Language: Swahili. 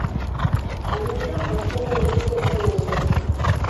Ameondoka kwenda likizo huko Nairobi